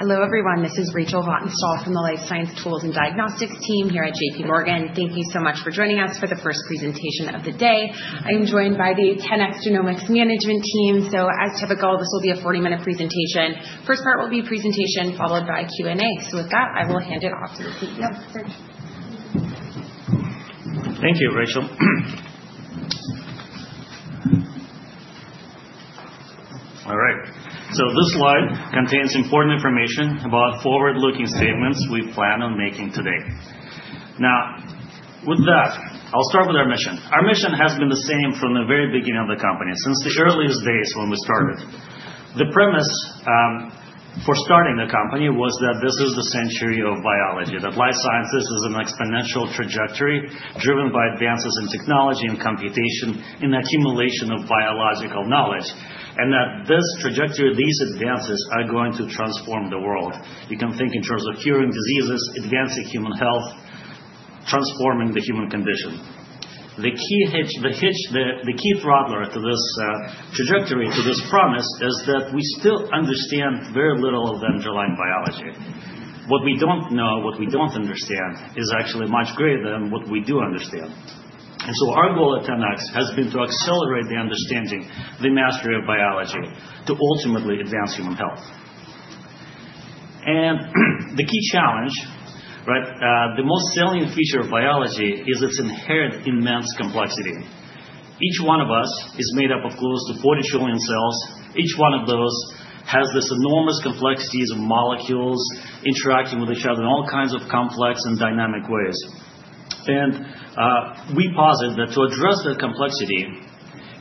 Hello, everyone. This is Rachel Vatnsdal from the Life Science Tools and Diagnostics team here at JPMorgan. Thank you so much for joining us for the first presentation of the day. I am joined by the 10x Genomics management team. So, as typical, this will be a 40-minute presentation. The first part will be a presentation followed by Q&A. So, with that, I will hand it off to the CEO. Serge. Thank you, Rachel. All right. This slide contains important information about forward-looking statements we plan on making today. Now, with that, I'll start with our mission. Our mission has been the same from the very beginning of the company, since the earliest days when we started. The premise for starting the company was that this is the century of biology, that life sciences is an exponential trajectory driven by advances in technology and computation in the accumulation of biological knowledge, and that this trajectory, these advances, are going to transform the world. You can think in terms of curing diseases, advancing human health, transforming the human condition. The key throttler to this trajectory, to this promise, is that we still understand very little of the underlying biology. What we don't know, what we don't understand, is actually much greater than what we do understand. And so, our goal at 10x has been to accelerate the understanding, the mastery of biology, to ultimately advance human health. And the key challenge, right, the most salient feature of biology is its inherent immense complexity. Each one of us is made up of close to 40 trillion cells. Each one of those has this enormous complexities of molecules interacting with each other in all kinds of complex and dynamic ways. And we posit that to address that complexity,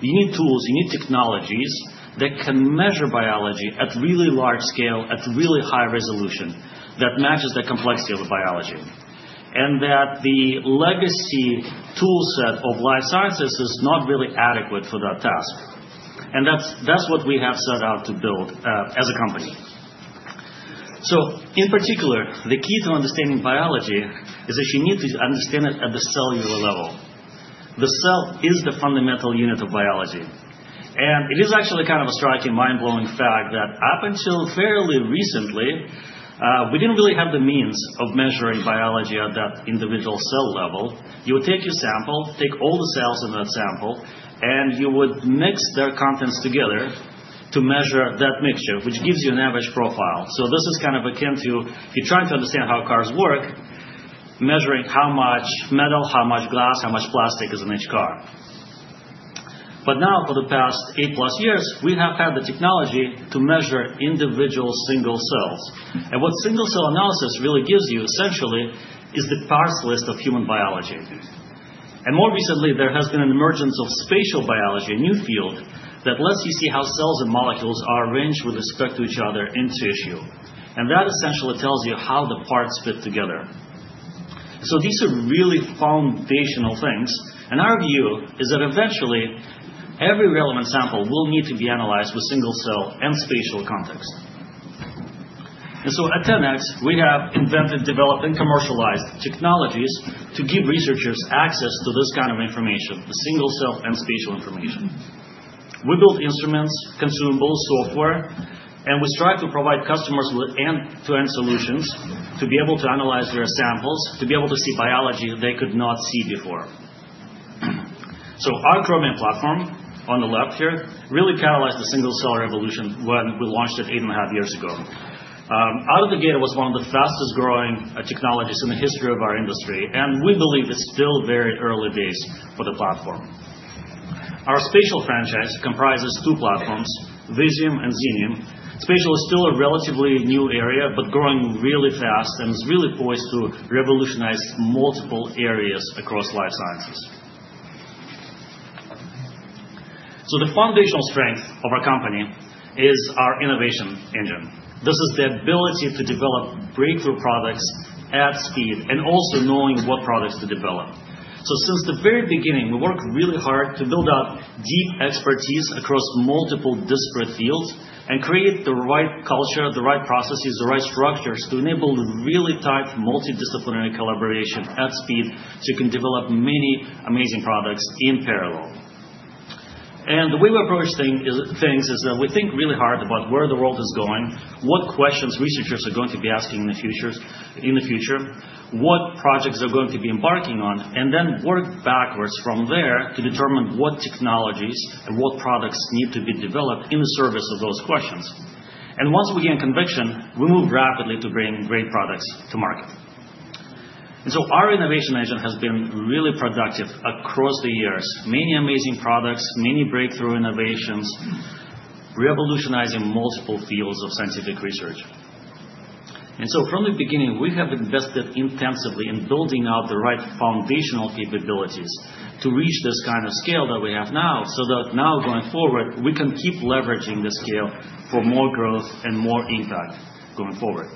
you need tools, you need technologies that can measure biology at really large scale, at really high resolution, that matches the complexity of the biology, and that the legacy toolset of life sciences is not really adequate for that task. And that's what we have set out to build as a company. In particular, the key to understanding biology is that you need to understand it at the cellular level. The cell is the fundamental unit of biology. And it is actually kind of a striking, mind-blowing fact that up until fairly recently, we didn't really have the means of measuring biology at that individual cell level. You would take your sample, take all the cells in that sample, and you would mix their contents together to measure that mixture, which gives you an average profile. So, this is kind of akin to if you're trying to understand how cars work, measuring how much metal, how much glass, how much plastic is in each car. But now, for the past eight-plus years, we have had the technology to measure individual single cells. And what single-cell analysis really gives you, essentially, is the parts list of human biology. More recently, there has been an emergence of spatial biology, a new field that lets you see how cells and molecules are arranged with respect to each other in tissue. That essentially tells you how the parts fit together. These are really foundational things. Our view is that eventually, every relevant sample will need to be analyzed with single-cell and spatial context. At 10x, we have invented, developed, and commercialized technologies to give researchers access to this kind of information, the single-cell and spatial information. We build instruments, consumables, software, and we strive to provide customers with end-to-end solutions to be able to analyze their samples, to be able to see biology they could not see before. Our Chromium platform on the left here really catalyzed the single-cell revolution when we launched it eight and a half years ago. Out of the gate, it was one of the fastest-growing technologies in the history of our industry, and we believe it's still very early days for the platform. Our spatial franchise comprises two platforms, Visium and Xenium. Spatial is still a relatively new area, but growing really fast and is really poised to revolutionize multiple areas across life sciences, so the foundational strength of our company is our innovation engine. This is the ability to develop breakthrough products at speed and also knowing what products to develop, so since the very beginning, we worked really hard to build out deep expertise across multiple disparate fields and create the right culture, the right processes, the right structures to enable really tight multidisciplinary collaboration at speed so you can develop many amazing products in parallel. And the way we approach things is that we think really hard about where the world is going, what questions researchers are going to be asking in the future, what projects they're going to be embarking on, and then work backwards from there to determine what technologies and what products need to be developed in the service of those questions. And once we gain conviction, we move rapidly to bring great products to market. And so, our innovation engine has been really productive across the years. Many amazing products, many breakthrough innovations, revolutionizing multiple fields of scientific research. And so, from the beginning, we have invested intensively in building out the right foundational capabilities to reach this kind of scale that we have now so that now, going forward, we can keep leveraging the scale for more growth and more impact going forward.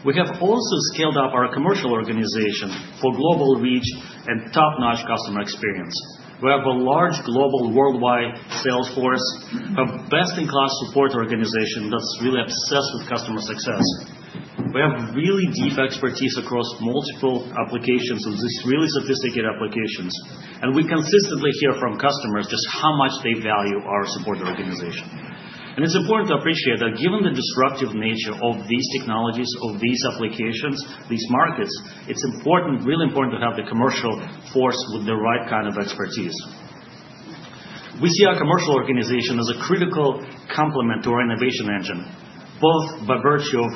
We have also scaled up our commercial organization for global reach and top-notch customer experience. We have a large global, worldwide sales force, a best-in-class support organization that's really obsessed with customer success. We have really deep expertise across multiple applications of these really sophisticated applications. And we consistently hear from customers just how much they value our support organization. And it's important to appreciate that given the disruptive nature of these technologies, of these applications, these markets, it's important, really important to have the commercial force with the right kind of expertise. We see our commercial organization as a critical complement to our innovation engine, both by virtue of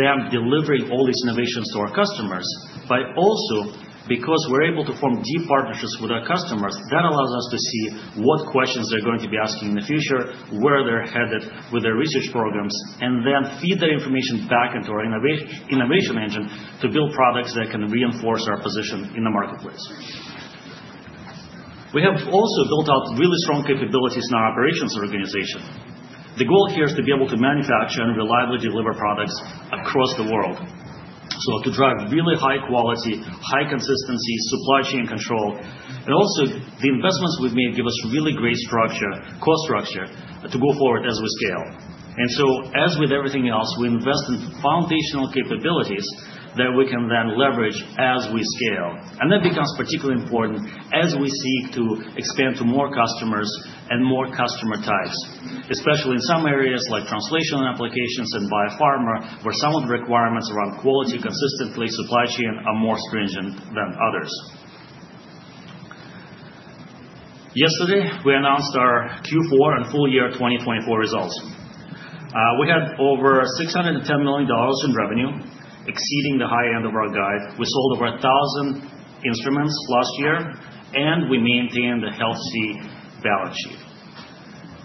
them delivering all these innovations to our customers, but also because we're able to form deep partnerships with our customers that allows us to see what questions they're going to be asking in the future, where they're headed with their research programs, and then feed that information back into our innovation engine to build products that can reinforce our position in the marketplace. We have also built out really strong capabilities in our operations organization. The goal here is to be able to manufacture and reliably deliver products across the world, so to drive really high quality, high consistency, supply chain control, and also, the investments we've made give us really great structure, cost structure, to go forward as we scale. And so, as with everything else, we invest in foundational capabilities that we can then leverage as we scale. And that becomes particularly important as we seek to expand to more customers and more customer types, especially in some areas like translational applications and biopharma, where some of the requirements around quality, consistency, supply chain are more stringent than others. Yesterday, we announced our Q4 and full year 2024 results. We had over $610 million in revenue, exceeding the high end of our guide. We sold over 1,000 instruments last year, and we maintained a healthy balance sheet.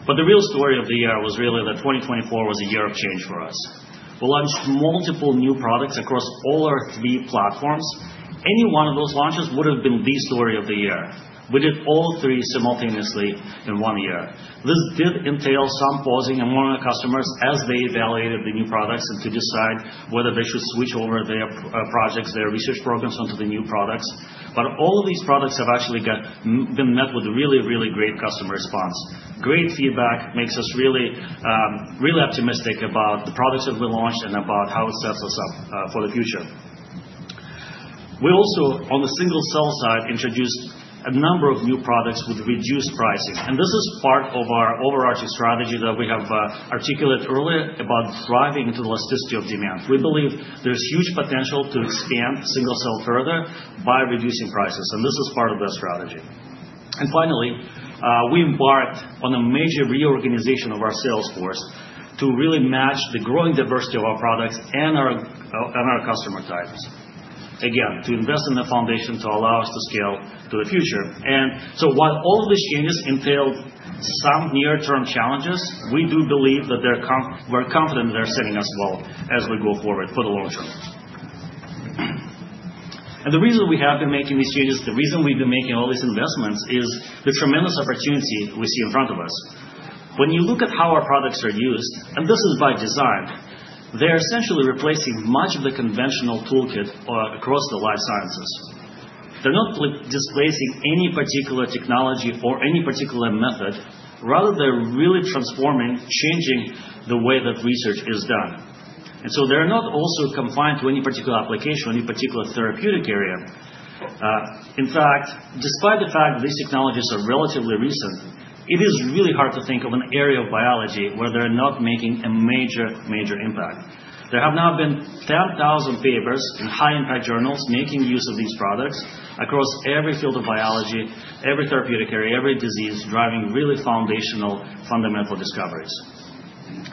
But the real story of the year was really that 2024 was a year of change for us. We launched multiple new products across all our three platforms. Any one of those launches would have been the story of the year. We did all three simultaneously in one year. This did entail some pausing among our customers as they evaluated the new products and to decide whether they should switch over their projects, their research programs onto the new products, but all of these products have actually been met with really, really great customer response. Great feedback makes us really, really optimistic about the products that we launched and about how it sets us up for the future. We also, on the single-cell side, introduced a number of new products with reduced pricing, and this is part of our overarching strategy that we have articulated earlier about driving into the elasticity of demand. We believe there's huge potential to expand single-cell further by reducing prices, and this is part of that strategy, and finally, we embarked on a major reorganization of our sales force to really match the growing diversity of our products and our customer types. Again, to invest in the foundation to allow us to scale to the future. And so, while all of these changes entailed some near-term challenges, we do believe that we're confident they're setting us well as we go forward for the long term. And the reason we have been making these changes, the reason we've been making all these investments, is the tremendous opportunity we see in front of us. When you look at how our products are used, and this is by design, they're essentially replacing much of the conventional toolkit across the life sciences. They're not displacing any particular technology or any particular method. Rather, they're really transforming, changing the way that research is done. And so, they're not also confined to any particular application, any particular therapeutic area. In fact, despite the fact these technologies are relatively recent, it is really hard to think of an area of biology where they're not making a major, major impact. There have now been 10,000 papers in high-impact journals making use of these products across every field of biology, every therapeutic area, every disease, driving really foundational, fundamental discoveries.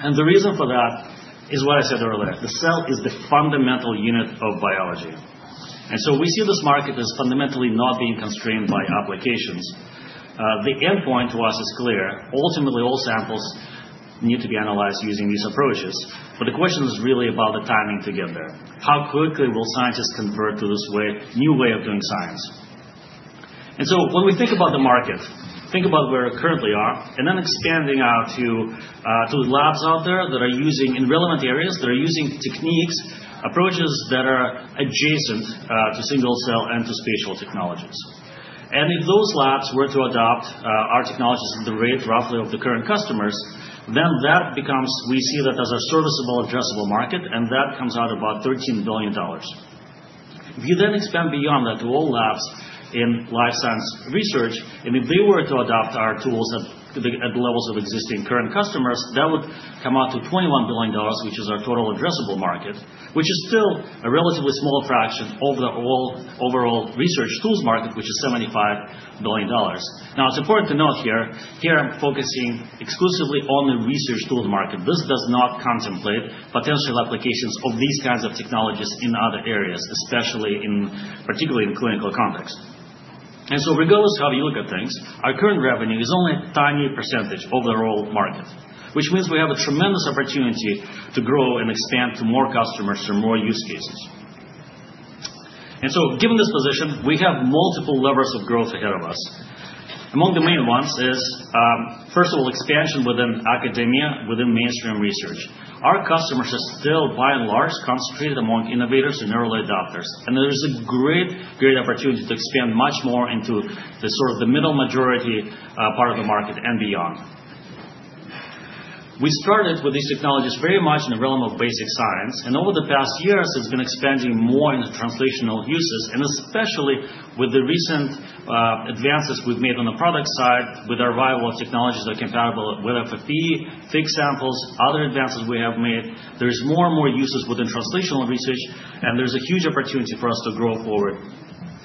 And the reason for that is what I said earlier. The cell is the fundamental unit of biology. And so, we see this market as fundamentally not being constrained by applications. The endpoint to us is clear. Ultimately, all samples need to be analyzed using these approaches. But the question is really about the timing to get there. How quickly will scientists convert to this new way of doing science? And so, when we think about the market, think about where we currently are, and then expanding out to the labs out there that are using in relevant areas, that are using techniques, approaches that are adjacent to single-cell and to spatial technologies. And if those labs were to adopt our technologies at the rate, roughly, of the current customers, then that becomes we see that as a serviceable, addressable market, and that comes out about $13 billion. If you then expand beyond that to all labs in life science research, and if they were to adopt our tools at the levels of existing current customers, that would come out to $21 billion, which is our total addressable market, which is still a relatively small fraction of the overall research tools market, which is $75 billion. Now, it's important to note here, I'm focusing exclusively on the research tools market. This does not contemplate potential applications of these kinds of technologies in other areas, especially, particularly, in clinical context. And so, regardless of how you look at things, our current revenue is only a tiny percentage of the overall market, which means we have a tremendous opportunity to grow and expand to more customers and more use cases. And so, given this position, we have multiple levers of growth ahead of us. Among the main ones is, first of all, expansion within academia, within mainstream research. Our customers are still, by and large, concentrated among innovators and early adopters. And there is a great, great opportunity to expand much more into the sort of middle majority part of the market and beyond. We started with these technologies very much in the realm of basic science. Over the past years, it's been expanding more into translational uses, and especially with the recent advances we've made on the product side with the arrival of technologies that are compatible with FFPE, thick samples, other advances we have made. There is more and more uses within translational research, and there's a huge opportunity for us to grow forward,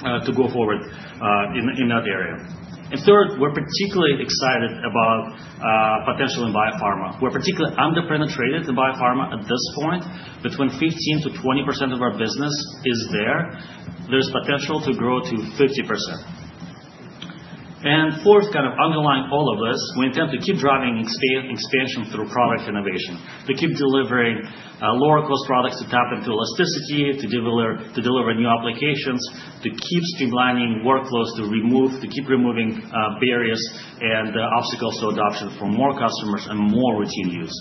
to go forward in that area. Third, we're particularly excited about potential in biopharma. We're particularly under-penetrated in biopharma at this point. Between 15% to 20% of our business is there. There's potential to grow to 50%. And fourth, kind of underlying all of this, we intend to keep driving expansion through product innovation, to keep delivering lower-cost products to tap into elasticity, to deliver new applications, to keep streamlining workflows to remove, to keep removing barriers and obstacles to adoption for more customers and more routine use.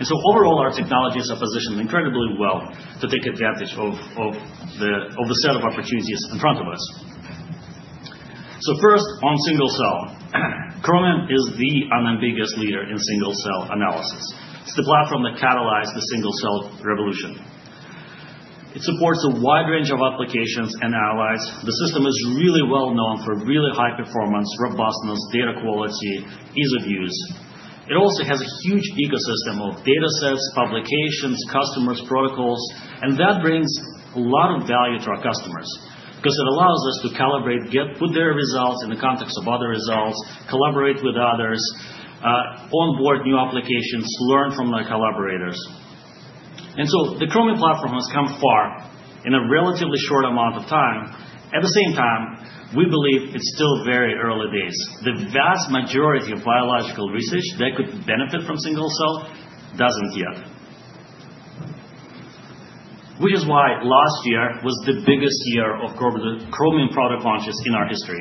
And so, overall, our technologies are positioned incredibly well to take advantage of the set of opportunities in front of us. So first, on single-cell, Chromium is the unambiguous leader in single-cell analysis. It's the platform that catalyzed the single-cell revolution. It supports a wide range of applications and assays. The system is really well known for really high performance, robustness, data quality, ease of use. It also has a huge ecosystem of data sets, publications, customers, protocols. And that brings a lot of value to our customers because it allows us to calibrate, get their results in the context of other results, collaborate with others, onboard new applications, learn from their collaborators. And so, the Chromium platform has come far in a relatively short amount of time. At the same time, we believe it's still very early days. The vast majority of biological research that could benefit from single-cell doesn't yet, which is why last year was the biggest year of Chromium product launches in our history.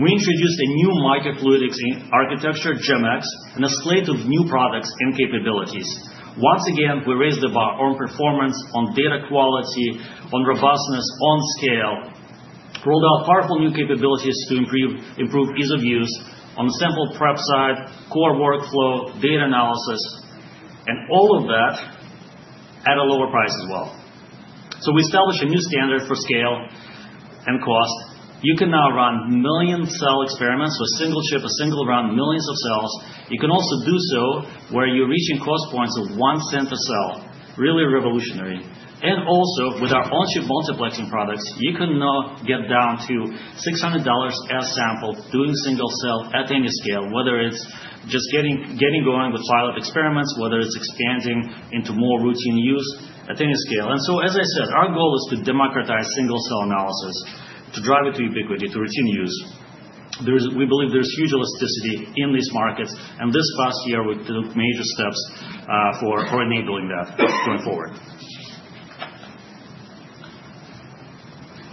We introduced a new microfluidics architecture, GEM-X, and a slate of new products and capabilities. Once again, we raised the bar on performance, on data quality, on robustness, on scale, rolled out powerful new capabilities to improve ease of use on the sample prep side, core workflow, data analysis, and all of that at a lower price as well. We established a new standard for scale and cost. You can now run million-cell experiments with a single chip, a single run, millions of cells. You can also do so where you're reaching cost points of $0.01 a cell, really revolutionary. And also, with our on-chip multiplexing products, you can now get down to $600 a sample doing single-cell at any scale, whether it's just getting going with pilot experiments, whether it's expanding into more routine use at any scale. And so, as I said, our goal is to democratize single-cell analysis, to drive it to ubiquity, to routine use. We believe there's huge elasticity in these markets. And this past year, we took major steps for enabling that going forward.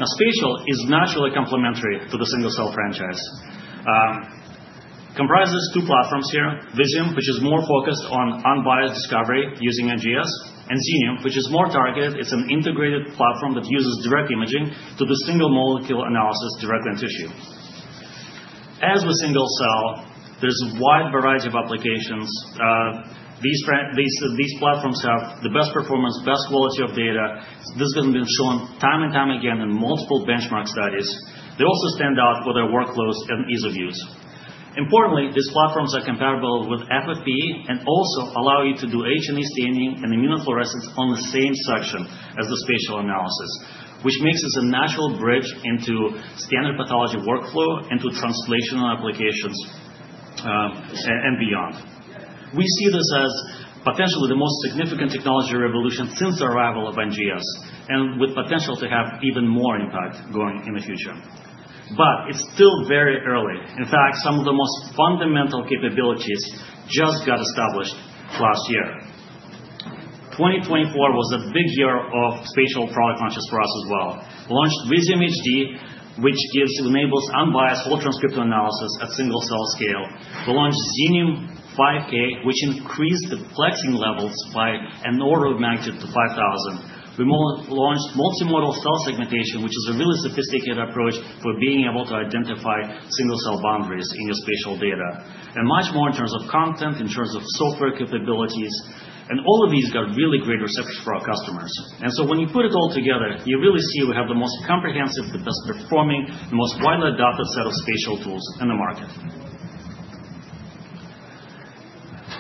Now, Spatial is naturally complementary to the single-cell franchise. It comprises two platforms here: Visium, which is more focused on unbiased discovery using NGS, and Xenium, which is more targeted. It's an integrated platform that uses direct imaging to do single molecule analysis directly in tissue. As with single-cell, there's a wide variety of applications. These platforms have the best performance, best quality of data. This has been shown time and time again in multiple benchmark studies. They also stand out for their workflows and ease of use. Importantly, these platforms are compatible with FFPE and also allow you to do H&E staining and immunofluorescence on the same section as the spatial analysis, which makes this a natural bridge into standard pathology workflow and to translational applications and beyond. We see this as potentially the most significant technology revolution since the arrival of NGS and with potential to have even more impact going in the future. But it's still very early. In fact, some of the most fundamental capabilities just got established last year. 2024 was a big year of spatial product launches for us as well. We launched Visium HD, which enables unbiased whole transcript analysis at single-cell scale. We launched Xenium 5K, which increased the plexing levels by an order of magnitude to 5,000. We launched multimodal cell segmentation, which is a really sophisticated approach for being able to identify single-cell boundaries in your spatial data, and much more in terms of content, in terms of software capabilities. And all of these got really great receptions for our customers. And so, when you put it all together, you really see we have the most comprehensive, the best performing, the most widely adopted set of spatial tools in the market.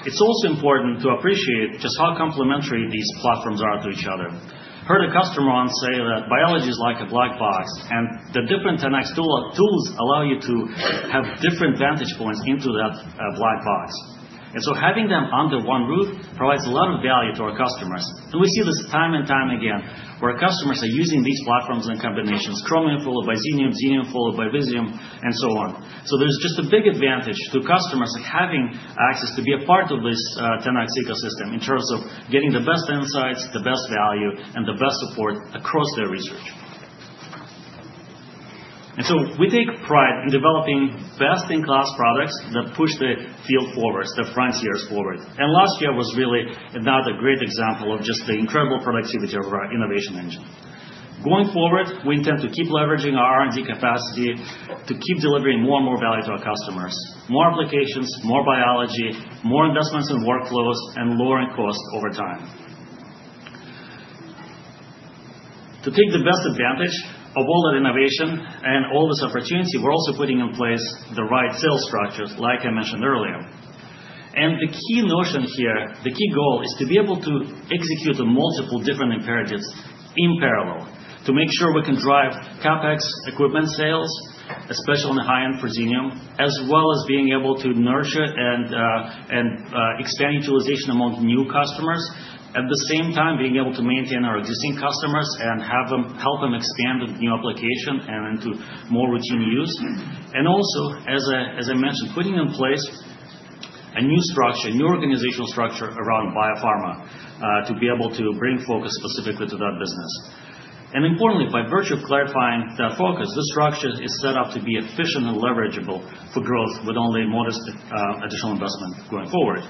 It's also important to appreciate just how complementary these platforms are to each other. I heard a customer once say that biology is like a black box, and the different 10x tools allow you to have different vantage points into that black box. And so, having them under one roof provides a lot of value to our customers. And we see this time and time again where customers are using these platforms in combinations: Chromium followed by Xenium, Xenium followed by Visium, and so on. So there's just a big advantage to customers having access to be a part of this 10x ecosystem in terms of getting the best insights, the best value, and the best support across their research. And so, we take pride in developing best-in-class products that push the field forward, push the frontiers forward. And last year was really another great example of just the incredible productivity of our innovation engine. Going forward, we intend to keep leveraging our R&D capacity to keep delivering more and more value to our customers: more applications, more biology, more investments in workflows, and lowering costs over time. To take the best advantage of all that innovation and all this opportunity, we're also putting in place the right sales structures, like I mentioned earlier. And the key notion here, the key goal, is to be able to execute multiple different imperatives in parallel to make sure we can drive CapEx equipment sales, especially on the high-end for Xenium, as well as being able to nurture and expand utilization among new customers, at the same time being able to maintain our existing customers and help them expand with new application and into more routine use. And also, as I mentioned, putting in place a new structure, a new organizational structure around biopharma to be able to bring focus specifically to that business. And importantly, by virtue of clarifying that focus, this structure is set up to be efficient and leverageable for growth with only modest additional investment going forward.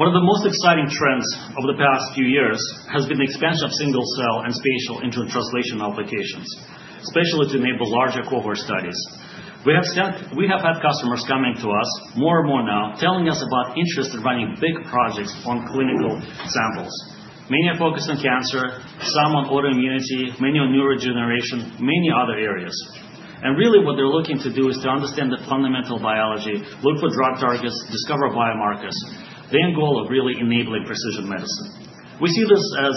One of the most exciting trends over the past few years has been the expansion of single-cell and spatial into translational applications, especially to enable larger cohort studies. We have had customers coming to us more and more now telling us about interest in running big projects on clinical samples. Many are focused on cancer, some on autoimmunity, many on neurodegeneration, many other areas. And really, what they're looking to do is to understand the fundamental biology, look for drug targets, discover biomarkers, the end goal of really enabling precision medicine. We see this as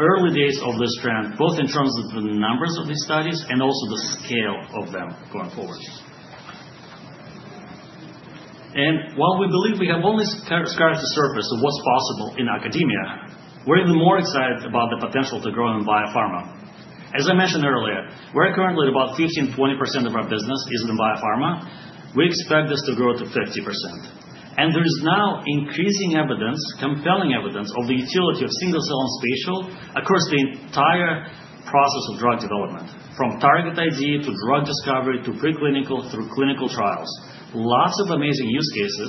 early days of this trend, both in terms of the numbers of these studies and also the scale of them going forward. And while we believe we have only scratched the surface of what's possible in academia, we're even more excited about the potential to grow in biopharma. As I mentioned earlier, where currently about 15% to 20% of our business is in biopharma, we expect this to grow to 50%. And there is now increasing evidence, compelling evidence, of the utility of single-cell and spatial across the entire process of drug development, from target ID to drug discovery to preclinical through clinical trials. Lots of amazing use cases.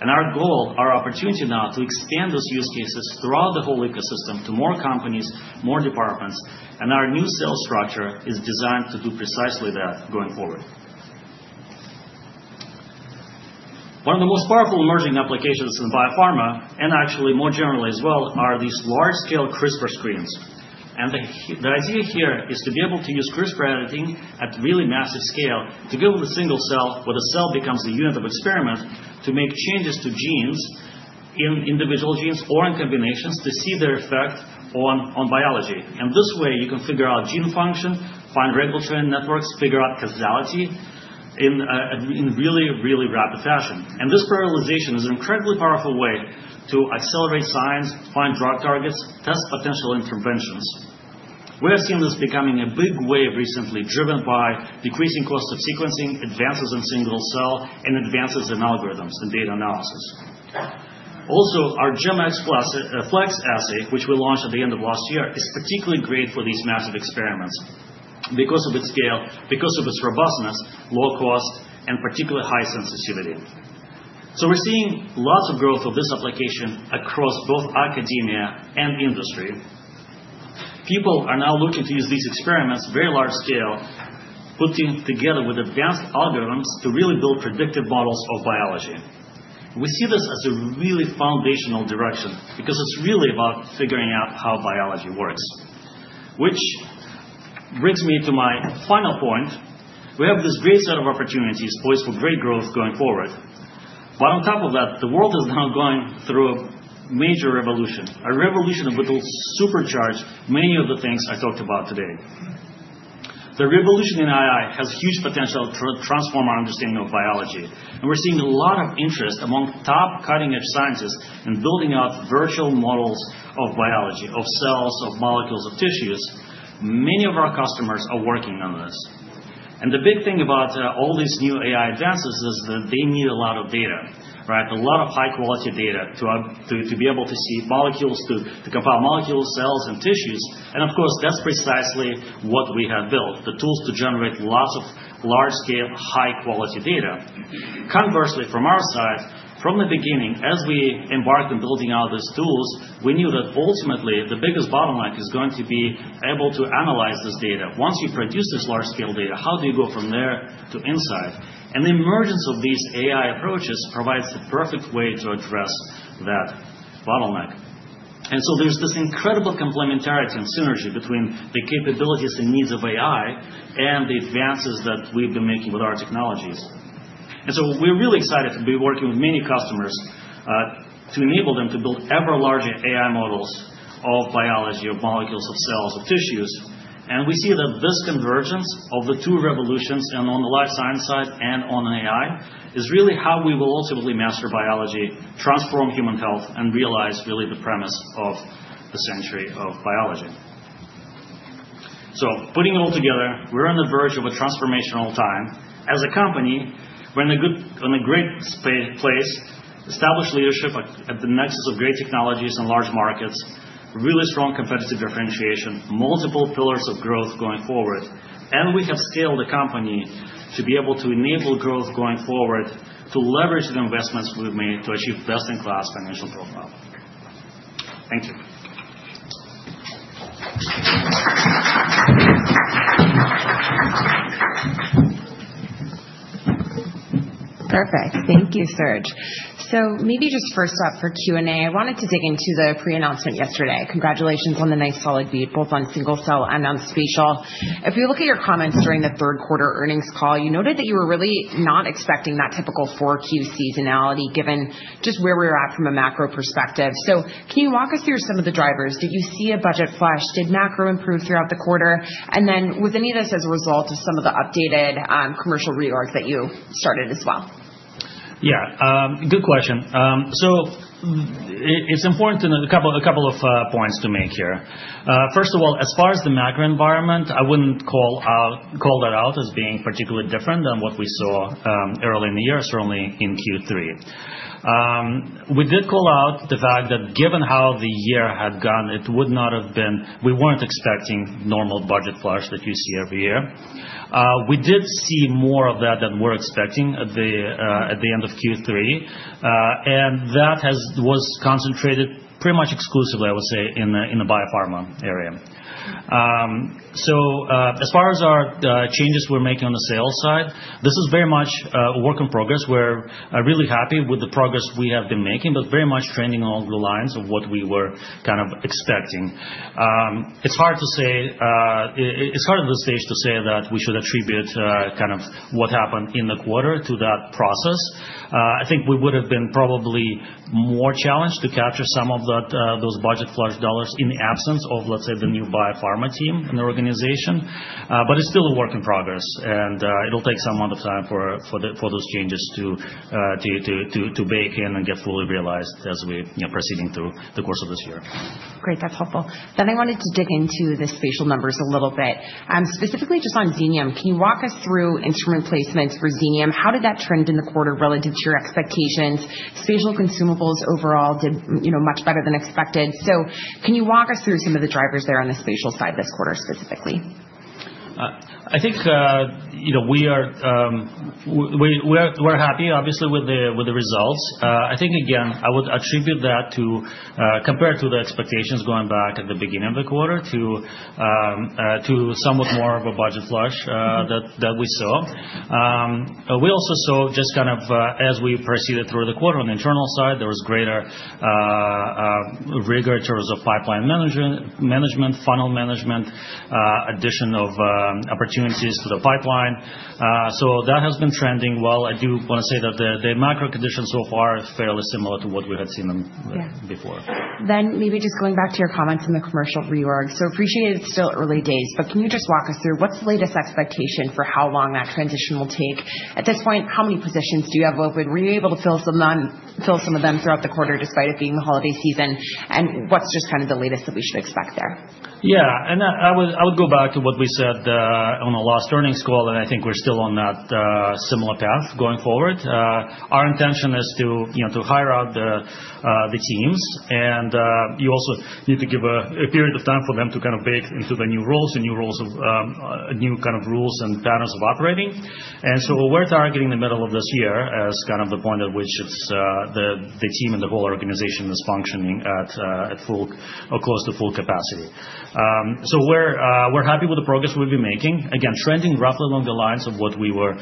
And our goal, our opportunity now, to expand those use cases throughout the whole ecosystem to more companies, more departments. And our new sales structure is designed to do precisely that going forward. One of the most powerful emerging applications in biopharma, and actually more generally as well, are these large-scale CRISPR screens. And the idea here is to be able to use CRISPR editing at really massive scale to go with a single cell where the cell becomes a unit of experiment to make changes to genes in individual genes or in combinations to see their effect on biology. And this way, you can figure out gene function, find regulatory networks, figure out causality in really, really rapid fashion. And this parallelization is an incredibly powerful way to accelerate science, find drug targets, test potential interventions. We have seen this becoming a big wave recently, driven by decreasing costs of sequencing, advances in single-cell, and advances in algorithms and data analysis. Also, our GEM-X Flex assay, which we launched at the end of last year, is particularly great for these massive experiments because of its scale, because of its robustness, low cost, and particularly high sensitivity. So we're seeing lots of growth of this application across both academia and industry. People are now looking to use these experiments very large scale, putting together with advanced algorithms to really build predictive models of biology. We see this as a really foundational direction because it's really about figuring out how biology works, which brings me to my final point. We have this great set of opportunities poised for great growth going forward. But on top of that, the world is now going through a major revolution, a revolution that will supercharge many of the things I talked about today. The revolution in AI has huge potential to transform our understanding of biology. We're seeing a lot of interest among top cutting-edge scientists in building out virtual models of biology, of cells, of molecules, of tissues. Many of our customers are working on this. The big thing about all these new AI advances is that they need a lot of data, right? A lot of high-quality data to be able to see molecules, to compile molecules, cells, and tissues. Of course, that's precisely what we have built: the tools to generate lots of large-scale, high-quality data. Conversely, from our side, from the beginning, as we embarked on building out these tools, we knew that ultimately, the biggest bottleneck is going to be able to analyze this data. Once you produce this large-scale data, how do you go from there to insight? The emergence of these AI approaches provides the perfect way to address that bottleneck. And so there's this incredible complementarity and synergy between the capabilities and needs of AI and the advances that we've been making with our technologies. And so we're really excited to be working with many customers to enable them to build ever larger AI models of biology, of molecules, of cells, of tissues. And we see that this convergence of the two revolutions, and on the life science side and on AI, is really how we will ultimately master biology, transform human health, and realize really the premise of the century of biology. So putting it all together, we're on the verge of a transformational time. As a company, we're in a great place, established leadership at the nexus of great technologies and large markets, really strong competitive differentiation, multiple pillars of growth going forward. We have scaled the company to be able to enable growth going forward, to leverage the investments we've made to achieve best-in-class financial profile. Thank you. Perfect. Thank you, Serge. So maybe just first up for Q&A, I wanted to dig into the pre-announcement yesterday. Congratulations on the nice solid beat, both on single-cell and on spatial. If we look at your comments during the third quarter earnings call, you noted that you were really not expecting that typical Q4 seasonality given just where we were at from a macro perspective. So can you walk us through some of the drivers? Did you see a budget flush? Did macro improve throughout the quarter? And then was any of this as a result of some of the updated commercial reorgs that you started as well? Yeah. Good question. So it's important to note a couple of points to make here. First of all, as far as the macro environment, I wouldn't call that out as being particularly different than what we saw early in the year, certainly in Q3. We did call out the fact that given how the year had gone, it would not have been, we weren't expecting normal budget flush that you see every year. We did see more of that than we're expecting at the end of Q3. And that was concentrated pretty much exclusively, I would say, in the biopharma area. So as far as our changes we're making on the sales side, this is very much a work in progress. We're really happy with the progress we have been making, but very much trending along the lines of what we were kind of expecting. It's hard to say. It's hard at this stage to say that we should attribute kind of what happened in the quarter to that process. I think we would have been probably more challenged to capture some of those budget flush dollars in the absence of, let's say, the new biopharma team in the organization. But it's still a work in progress, and it'll take some amount of time for those changes to bake in and get fully realized as we are proceeding through the course of this year. Great. That's helpful. Then I wanted to dig into the spatial numbers a little bit. Specifically, just on Xenium, can you walk us through instrument placements for Xenium? How did that trend in the quarter relative to your expectations? Spatial consumables overall did much better than expected. So can you walk us through some of the drivers there on the spatial side this quarter specifically? I think we're happy, obviously, with the results. I think, again, I would attribute that to, compared to the expectations going back at the beginning of the quarter, to somewhat more of a budget flush that we saw. We also saw just kind of, as we proceeded through the quarter on the internal side, there was greater rigor in terms of pipeline management, funnel management, addition of opportunities to the pipeline. So that has been trending well. I do want to say that the macro conditions so far are fairly similar to what we had seen before. Then, maybe just going back to your comments in the commercial reorg. So, appreciated, it's still early days, but can you just walk us through what's the latest expectation for how long that transition will take? At this point, how many positions do you have open? Were you able to fill some of them throughout the quarter despite it being the holiday season? And what's just kind of the latest that we should expect there? Yeah. And I would go back to what we said on the last earnings call, and I think we're still on that similar path going forward. Our intention is to hire out the teams. And you also need to give a period of time for them to kind of bake into the new roles and new kinds of rules and patterns of operating. And so we're targeting the middle of this year as kind of the point at which the team and the whole organization is functioning at full or close to full capacity. So we're happy with the progress we've been making. Again, trending roughly along the lines of what we were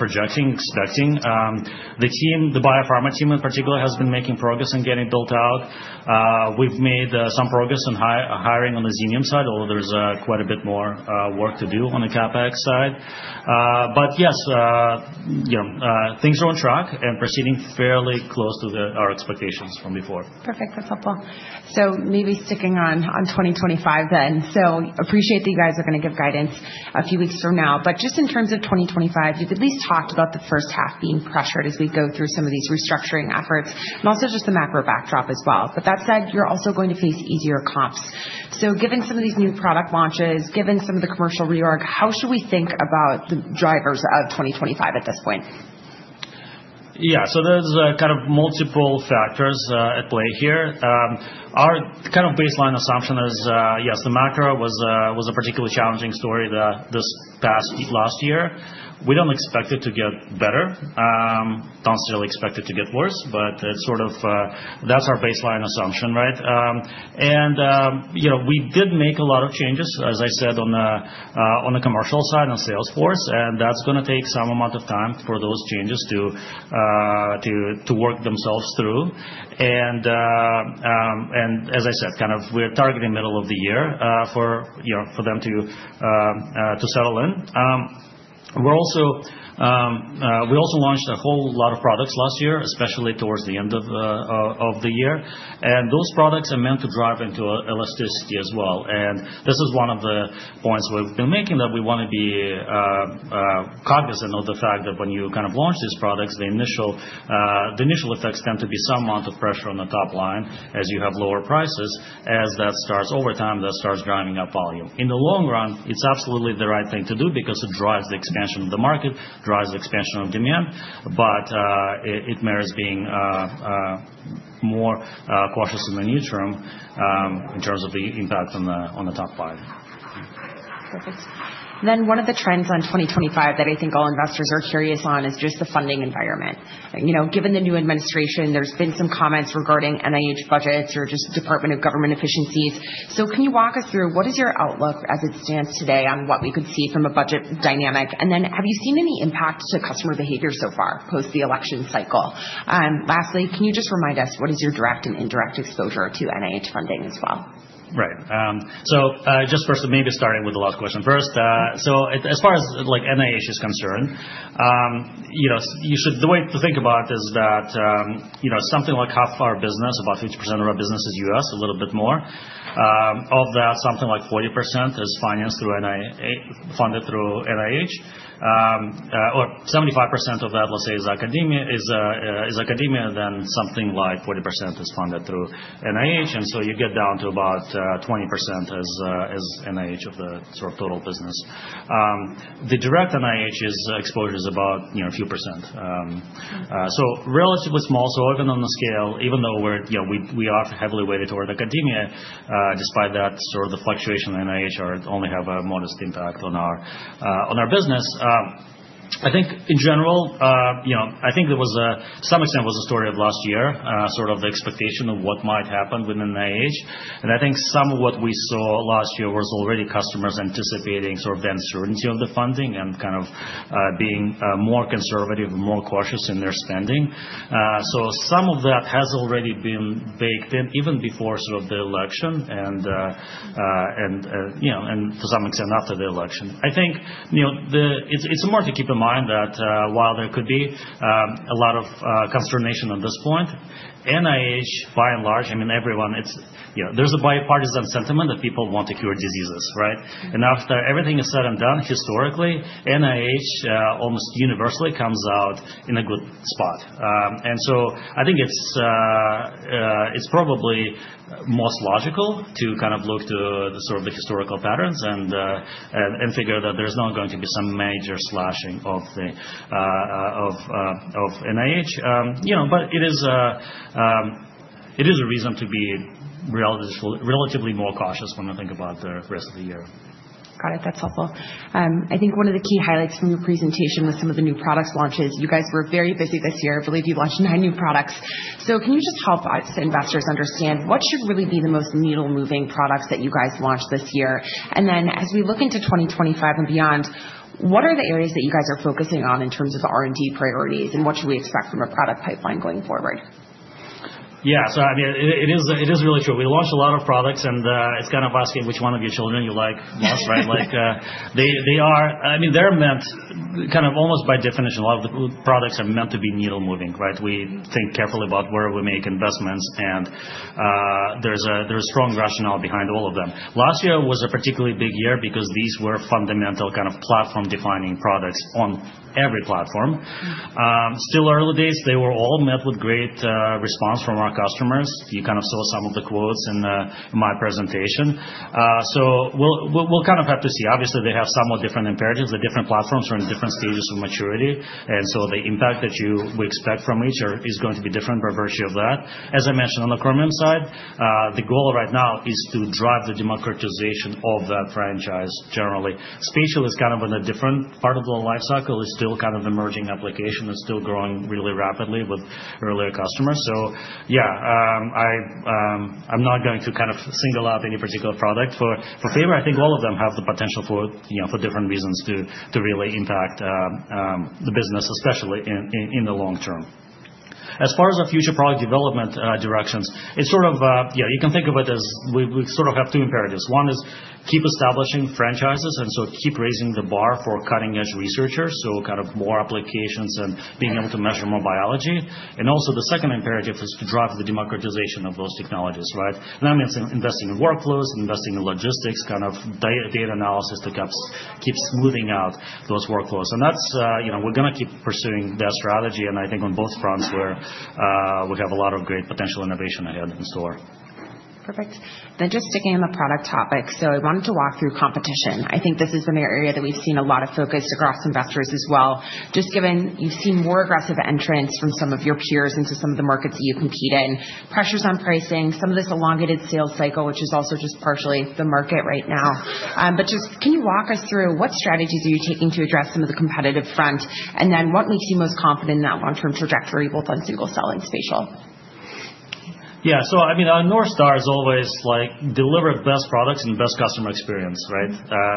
projecting, expecting. The biopharma team, in particular, has been making progress and getting built out. We've made some progress in hiring on the Xenium side, although there's quite a bit more work to do on the CapEx side. But yes, things are on track and proceeding fairly close to our expectations from before. Perfect. That's helpful. So maybe sticking on 2025 then. So appreciate that you guys are going to give guidance a few weeks from now. But just in terms of 2025, you've at least talked about the first half being pressured as we go through some of these restructuring efforts and also just the macro backdrop as well. But that said, you're also going to face easier comps. So given some of these new product launches, given some of the commercial reorg, how should we think about the drivers of 2025 at this point? Yeah. So there's kind of multiple factors at play here. Our kind of baseline assumption is, yes, the macro was a particularly challenging story this past last year. We don't expect it to get better. Don't necessarily expect it to get worse, but that's our baseline assumption, right? And we did make a lot of changes, as I said, on the commercial side on sales force. And that's going to take some amount of time for those changes to work themselves through. And as I said, kind of we're targeting middle of the year for them to settle in. We also launched a whole lot of products last year, especially towards the end of the year. And those products are meant to drive into elasticity as well. This is one of the points we've been making that we want to be cognizant of the fact that when you kind of launch these products, the initial effects tend to be some amount of pressure on the top line as you have lower prices. As that starts over time, that starts driving up volume. In the long run, it's absolutely the right thing to do because it drives the expansion of the market, drives the expansion of demand. It merits being more cautious in the near term in terms of the impact on the top line. Perfect. Then one of the trends on 2025 that I think all investors are curious on is just the funding environment. Given the new administration, there's been some comments regarding NIH budgets or just Department of Government Efficiency. So can you walk us through what is your outlook as it stands today on what we could see from a budget dynamic? And then have you seen any impact to customer behavior so far post the election cycle? Lastly, can you just remind us what is your direct and indirect exposure to NIH funding as well? Right. So just first, maybe starting with the last question first. So as far as NIH is concerned, the way to think about it is that something like half of our business, about 50% of our business is U.S., a little bit more. Of that, something like 40% is financed through NIH, funded through NIH. Or 75% of that, let's say, is academia. Then something like 40% is funded through NIH. And so you get down to about 20% as NIH of the sort of total business. The direct NIH exposure is about a few percent. So relatively small. So even on the scale, even though we are heavily weighted toward academia, despite that, sort of the fluctuation in NIH only have a modest impact on our business. I think in general there was, to some extent, a story of last year, sort of the expectation of what might happen within NIH. And I think some of what we saw last year was already customers anticipating sort of the uncertainty of the funding and kind of being more conservative and more cautious in their spending. So some of that has already been baked in even before sort of the election and to some extent after the election. I think it's important to keep in mind that while there could be a lot of consternation on this point, NIH, by and large, I mean, everyone, there's a bipartisan sentiment that people want to cure diseases, right? And after everything is said and done historically, NIH almost universally comes out in a good spot. And so I think it's probably most logical to kind of look to sort of the historical patterns and figure that there's not going to be some major slashing of NIH. But it is a reason to be relatively more cautious when we think about the rest of the year. Got it. That's helpful. I think one of the key highlights from your presentation was some of the new product launches. You guys were very busy this year. I believe you launched nine new products. So can you just help us, investors, understand what should really be the most needle-moving products that you guys launched this year? And then as we look into 2025 and beyond, what are the areas that you guys are focusing on in terms of R&D priorities, and what should we expect from a product pipeline going forward? Yeah. So I mean, it is really true. We launched a lot of products, and it's kind of asking which one of your children you like most, right? I mean, they're meant kind of almost by definition, a lot of the products are meant to be needle-moving, right? We think carefully about where we make investments, and there's a strong rationale behind all of them. Last year was a particularly big year because these were fundamental kind of platform-defining products on every platform. Still early days, they were all met with great response from our customers. You kind of saw some of the quotes in my presentation. So we'll kind of have to see. Obviously, they have somewhat different imperatives. The different platforms are in different stages of maturity. And so the impact that we expect from each is going to be different by virtue of that. As I mentioned, on the Chromium side, the goal right now is to drive the democratization of that franchise generally. Spatial is kind of in a different part of the lifecycle. It's still kind of emerging application. It's still growing really rapidly with earlier customers. So yeah, I'm not going to kind of single out any particular product for favor. I think all of them have the potential for different reasons to really impact the business, especially in the long term. As far as our future product development directions, it's sort of, yeah, you can think of it as we sort of have two imperatives. One is keep establishing franchises and so keep raising the bar for cutting-edge researchers, so kind of more applications and being able to measure more biology. And also the second imperative is to drive the democratization of those technologies, right? That means investing in workflows, investing in logistics, kind of data analysis to keep smoothing out those workflows. We're going to keep pursuing that strategy. I think on both fronts, we have a lot of great potential innovation ahead in store. Perfect. Then just sticking in the product topic. So I wanted to walk through competition. I think this is an area that we've seen a lot of focus across investors as well, just given you've seen more aggressive entrance from some of your peers into some of the markets that you compete in, pressures on pricing, some of this elongated sales cycle, which is also just partially the market right now. But just can you walk us through what strategies are you taking to address some of the competitive front? And then what makes you most confident in that long-term trajectory, both on single-cell and spatial? Yeah. So I mean, our North Star is always to deliver the best products and best customer experience, right?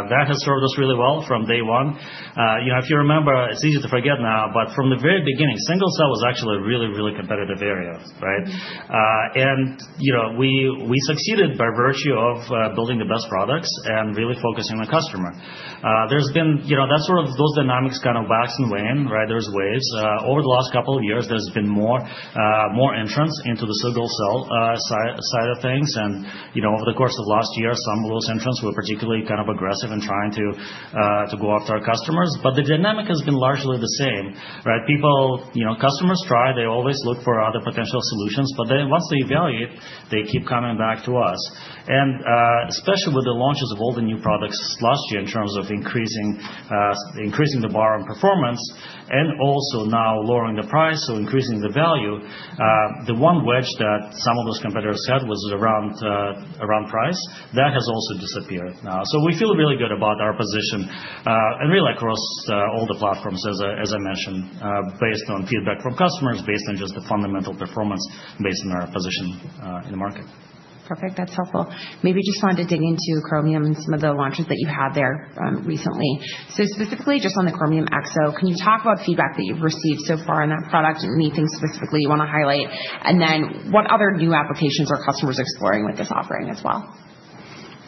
That has served us really well from day one. If you remember, it's easy to forget now, but from the very beginning, single-cell was actually a really, really competitive area, right? And we succeeded by virtue of building the best products and really focusing on the customer. There's been that sort of those dynamics kind of wax and wane, right? There's waves. Over the last couple of years, there's been more entrants into the single-cell side of things. And over the course of last year, some of those entrants were particularly kind of aggressive in trying to go after our customers. But the dynamic has been largely the same, right? Customers try. They always look for other potential solutions. But then once they evaluate, they keep coming back to us. Especially with the launches of all the new products last year in terms of increasing the bar on performance and also now lowering the price, so increasing the value, the one wedge that some of those competitors had was around price. That has also disappeared now. We feel really good about our position and really across all the platforms, as I mentioned, based on feedback from customers, based on just the fundamental performance based on our position in the market. Perfect. That's helpful. Maybe just wanted to dig into Chromium and some of the launches that you had there recently. So specifically just on the Chromium X, can you talk about feedback that you've received so far on that product? Anything specifically you want to highlight? And then what other new applications are customers exploring with this offering as well?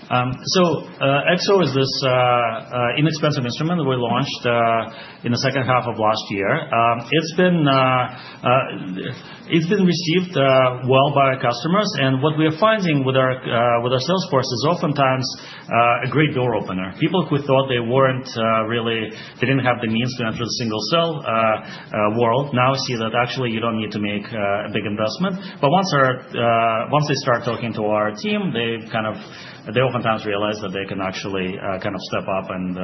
So X is this inexpensive instrument that we launched in the second half of last year. It's been received well by our customers. And what we are finding with our sales force is oftentimes a great door opener. People who thought they weren't really they didn't have the means to enter the single-cell world now see that actually you don't need to make a big investment. But once they start talking to our team, they kind of they oftentimes realize that they can actually kind of step up. And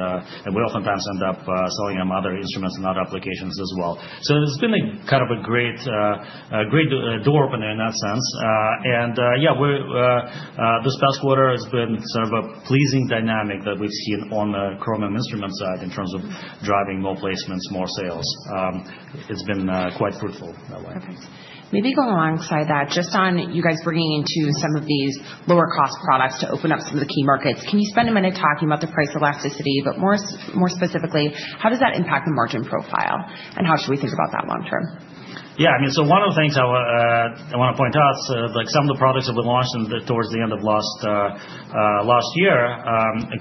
we oftentimes end up selling them other instruments and other applications as well. So it's been kind of a great door opener in that sense. And yeah, this past quarter has been sort of a pleasing dynamic that we've seen on the Chromium instrument side in terms of driving more placements, more sales. It's been quite fruitful that way. Perfect. Maybe going alongside that, just on you guys bringing into some of these lower-cost products to open up some of the key markets, can you spend a minute talking about the price elasticity, but more specifically, how does that impact the margin profile? And how should we think about that long term? Yeah. I mean, so one of the things I want to point out, some of the products that we launched towards the end of last year,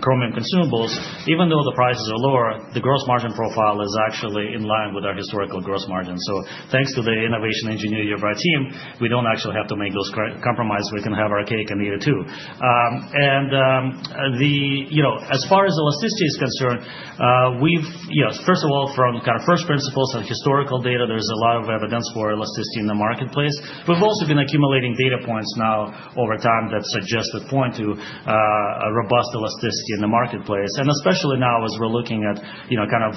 Chromium consumables, even though the prices are lower, the gross margin profile is actually in line with our historical gross margin. So thanks to the innovation engineering of our team, we don't actually have to make those compromises. We can have our cake and eat it too. And as far as elasticity is concerned, first of all, from kind of first principles and historical data, there's a lot of evidence for elasticity in the marketplace. We've also been accumulating data points now over time that suggest a point to robust elasticity in the marketplace. And especially now as we're looking at kind of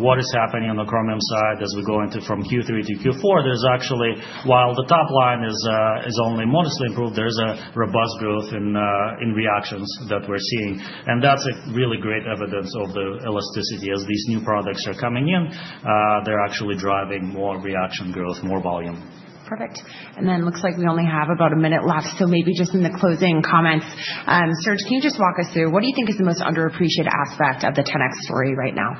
what is happening on the Chromium side as we go into from Q3 to Q4, there's actually, while the top line is only modestly improved, there's a robust growth in reactions that we're seeing. And that's a really great evidence of the elasticity as these new products are coming in. They're actually driving more reaction growth, more volume. Perfect. And then it looks like we only have about a minute left. So maybe just in the closing comments, Serge, can you just walk us through what do you think is the most underappreciated aspect of the 10x story right now?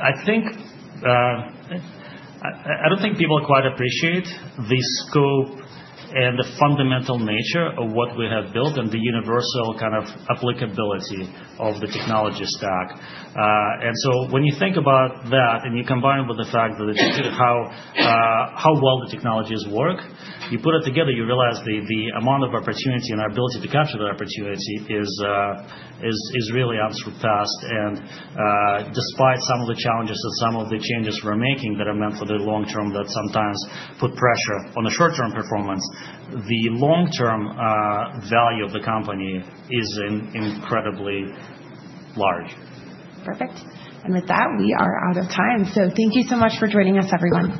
I don't think people quite appreciate the scope and the fundamental nature of what we have built and the universal kind of applicability of the technology stack. And so when you think about that and you combine it with the fact that how well the technologies work, you put it together, you realize the amount of opportunity and our ability to capture the opportunity is really unsurpassed. And despite some of the challenges and some of the changes we're making that are meant for the long term that sometimes put pressure on the short-term performance, the long-term value of the company is incredibly large. Perfect. With that, we are out of time. Thank you so much for joining us, everyone.